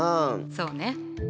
そうね。